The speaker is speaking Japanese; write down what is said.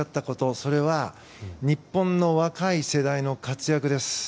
それは日本の若い世代の活躍です。